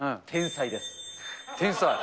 天才です。